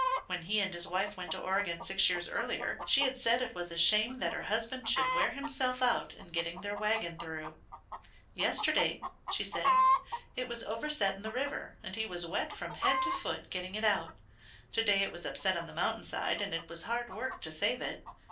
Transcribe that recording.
When he and his wife went to Oregon six years earlier she had said it was a shame that her husband should wear himself out in getting their wagon through. "Yesterday," she said, "it was overset in the river and he was wet from head to foot getting it out; to day it was upset on the mountainside, and it was hard work to save it."